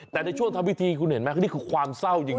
แต่ในช่วงทำพิธีคุณเห็นไหมนี่คือความเศร้าจริง